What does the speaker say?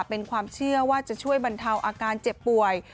เป็นความเชื่อว่าจะช่วยบรรเทาอาการเจ็บป่วย